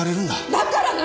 だから何？